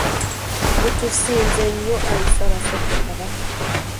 Gutusinze nnyo Ayi Ssaabasajja Kabaka.